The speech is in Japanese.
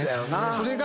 それが。